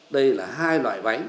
đây là hai loại bánh